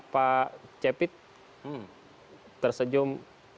pak cepit tersenyum